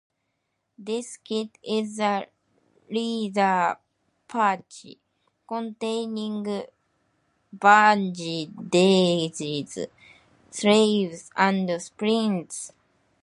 This kit is a leather pouch containing bandages, salves, and splints.